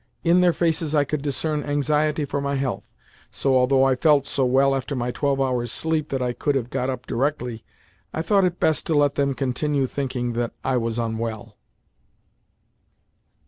In their faces I could discern anxiety for my health, so, although I felt so well after my twelve hours' sleep that I could have got up directly, I thought it best to let them continue thinking that I was unwell.